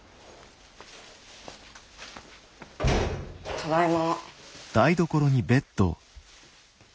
ただいま。